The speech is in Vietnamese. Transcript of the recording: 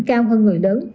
cao hơn người lớn